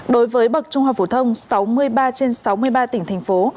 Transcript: đối với bậc trung học phổ thông sáu mươi ba trên sáu mươi ba tỉnh thành phố